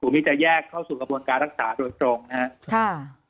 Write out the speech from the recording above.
ที่จะแยกเข้าสู่กระบวนการรักษาโดยตรงนะครับ